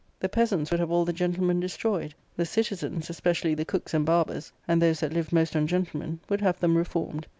The peasants would have all the gentlemen destroyed ; the citizens, especially the cooks and barbers, and those that lived most on gentlemen, would have them reformed.